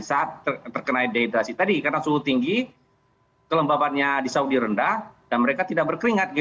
saat terkena dehidrasi tadi karena suhu tinggi kelembabannya di saudi rendah dan mereka tidak berkeringat